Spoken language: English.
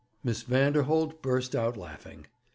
Miss Vanderholt burst out laughing.